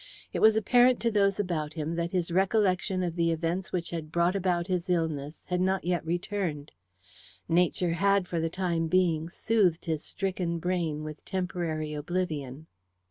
It was apparent to those about him that his recollection of the events which had brought about his illness had not yet returned. Nature had, for the time being, soothed his stricken brain with temporary oblivion.